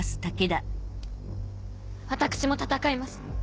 私も戦います。